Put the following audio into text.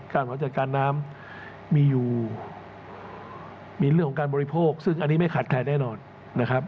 มาจัดการน้ำมีอยู่มีเรื่องของการบริโภคซึ่งอันนี้ไม่ขาดใครแน่นอนนะครับ